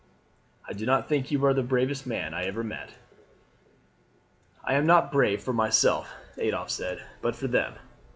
I do think you are the bravest man I ever met." "I am not brave for myself, Adolphe, but for them."